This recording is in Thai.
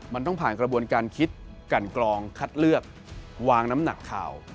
มันต้องผ่านกระบวนการคิดกันกรองคัดเลือกวางน้ำหนักข่าว